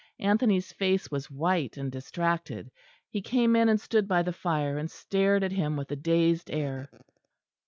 Anthony's face was white and distracted; he came in and stood by the fire, and stared at him with a dazed air.